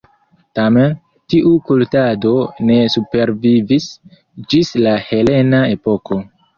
Tamen, tiu kultado ne supervivis ĝis la helena epoko.